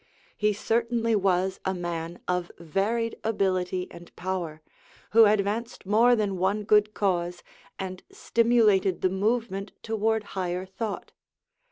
He certainly was a man of varied ability and power, who advanced more than one good cause and stimulated the movement toward higher thought.